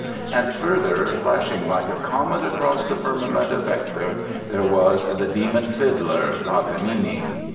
And further, flashing like a comet across the firmament of Hector, there was the "demon fiddler", Paganini.